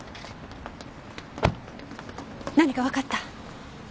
何かわかった？